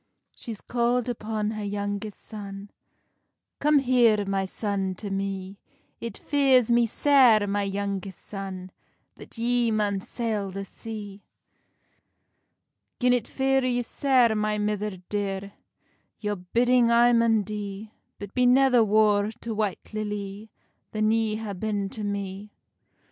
She's calld upon her youngest son: "Come here, my son, to me; It fears me sair, my youngest son, That ye maun sail the sea." "Gin it fear you sair, my mither dear, Your bidding I maun dee; But be never war to White Lilly Than ye ha been to me."